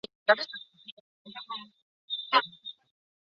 阮氏游晚年的时候在嘉林县梅发寺出家。